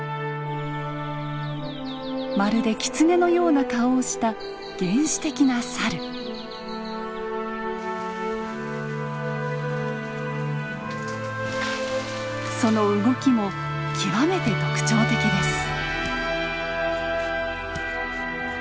まるでキツネのような顔をしたその動きも極めて特徴的です。